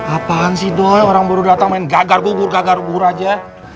apaan sih doi orang baru datang main gagar gugur gagar gugur aja